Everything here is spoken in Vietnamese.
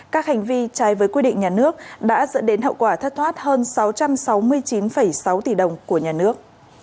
các hành vi trái với quy định nhà nước đã dẫn đến hậu quả thất thoát hơn sáu trăm sáu mươi chín sáu tỷ đồng của nhà nước